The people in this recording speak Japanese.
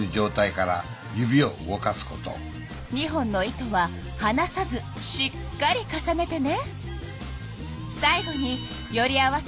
２本の糸ははなさずしっかり重ねてね。